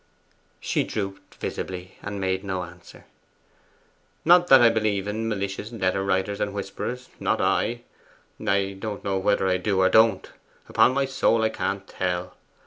She drooped visibly, and made no answer. 'Not that I believe in malicious letter writers and whisperers; not I. I don't know whether I do or don't: upon my soul, I can't tell.